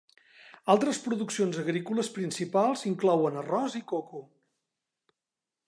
Altres produccions agrícoles principals inclouen arròs i coco.